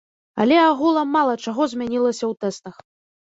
Але агулам мала чаго змянілася ў тэстах.